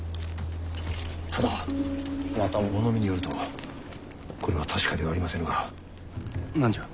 殿また物見によるとこれは確かではありませぬが。何じゃ？